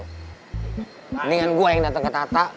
mendingan gue yang datang ke tata